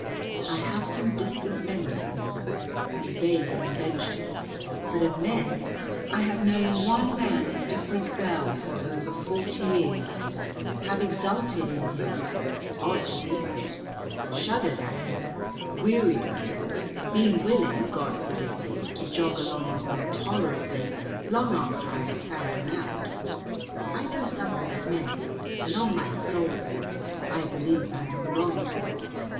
I have some distant memories of them, some vain inventions. But of men I have known one man indifferent well for over forty years, have exulted in him (odd to think of it), shuddered at him, wearied of him, been willing (God forgive me) to jog along with him tolerantly long after I have found him out; I know something of men, and, on my soul, boy, I believe I am wronging you.